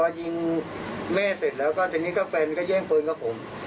พอยิงแม่เสร็จแล้วก็ทีนี้ก็แฟนก็แย่งปืนกับผม